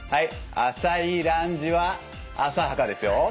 浅いランジは浅はかですよ。